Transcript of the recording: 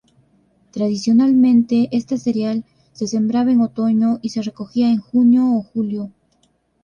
Tradicionalmente este cereal se sembraba en otoño y se recogía en junio o julio.